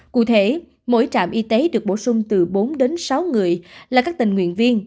cụ thể mỗi trạm y tế được bổ sung từ bốn đến sáu người là các tình nguyện viên